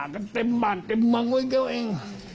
ก็เต็มบ้านเต็มมังไว้กันเอง